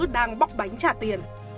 đang bóc bánh trả tiền